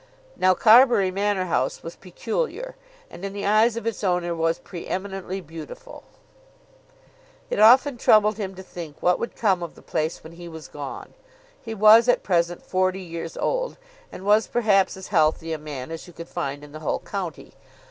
Now Carbury Manor House was peculiar, and in the eyes of its owner was pre eminently beautiful. It often troubled him to think what would come of the place when he was gone. He was at present forty years old, and was perhaps as healthy a man as you could find in the whole county.